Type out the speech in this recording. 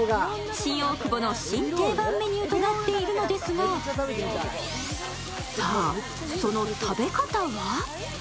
新大久保の新定番メニューとなっているのですが、さあ、その食べ方は？